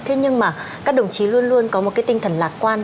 thế nhưng mà các đồng chí luôn luôn có một cái tinh thần lạc quan